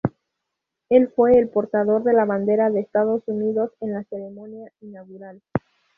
Él fue el portador de la bandera de Estados Unidos en la ceremonia inaugural.